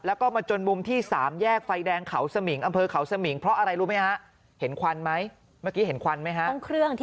แล้วก็มาจนมุมที่๓แหยกไฟแดงเขาสมิง